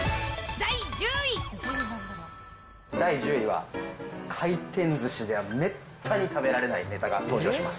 第１０位は、回転ずしではめったに食べられないネタが登場します。